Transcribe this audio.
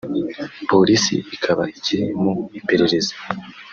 polisi ikaba ikiri mu iperereza